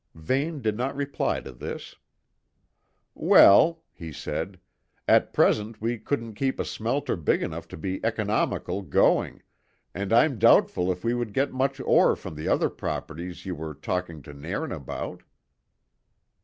Vane did not reply to this. "Well," he said, "at present we couldn't keep a smelter big enough to be economical going, and I'm doubtful if we would get much ore from the other properties you were talking to Nairn about."